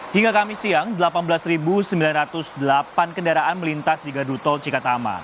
hingga kamis siang delapan belas sembilan ratus delapan kendaraan melintas di gardu tol cikatama